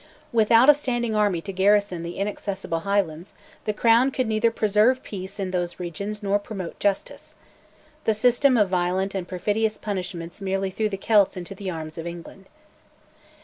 Without a standing army to garrison the inaccessible Highlands, the Crown could neither preserve peace in those regions nor promote justice. The system of violent and perfidious punishments merely threw the Celts into the arms of England.